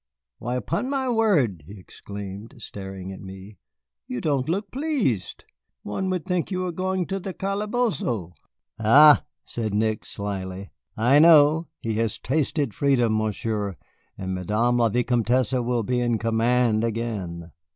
Why, upon my word," he exclaimed, staring at me, "you don't look pleased. One would think you were going to the calabozo." "Ah," said Nick, slyly, "I know. He has tasted freedom, Monsieur, and Madame la Vicomtesse will be in command again."